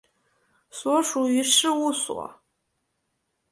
所属于事务所。